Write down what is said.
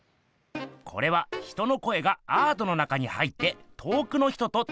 これは人の声がアートの中に入って遠くの人とつながれる作ひんです。